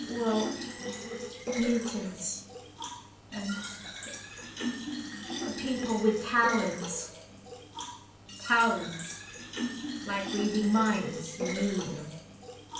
well, mutants, and people with talents...." "Talents? Like reading minds, you mean?"